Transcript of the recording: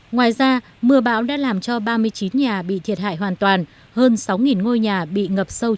ngoài ra mưa bão đã làm cho ba mươi chín nhà bị thiệt hại hoàn toàn hơn sáu ngôi nhà bị ngập sâu